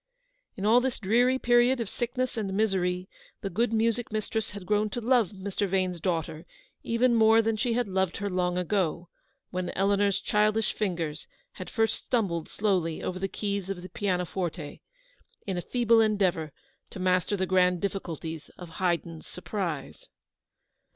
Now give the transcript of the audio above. In all this dreary period of sickness and misery the good music mistress had grown to love Mr. Vane's daughter even more than she had loved her long ago, when Eleanor's childish fingers had first stumbled slowly over the keys of the piano forte, in a feeble endeavour to master the grand difficulties of Haydn's " Surprise."